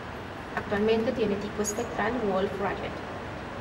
Actualmente tiene tipo espectral Wolf-Rayet.